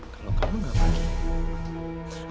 kalau kamu gak pergi